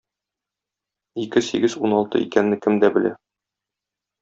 Ике сигез уналты икәнне кем дә белә.